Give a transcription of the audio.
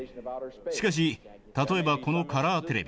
しかし例えばこのカラーテレビ。